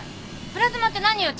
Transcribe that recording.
プラズマって何よ！？